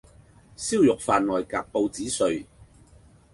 燒肉飯內夾報紙碎